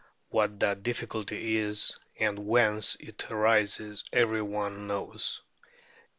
What that difficulty is, and whence it arises, every one knows.